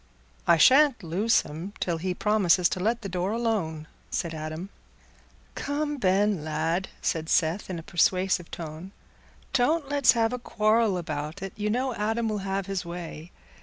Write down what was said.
"I shan't loose him till he promises to let the door alone," said Adam. "Come, Ben, lad," said Seth, in a persuasive tone, "don't let's have a quarrel about it. You know Adam will have his way.